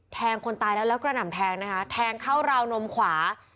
คนตายแล้วแล้วกระหน่ำแทงนะคะแทงเข้าราวนมขวา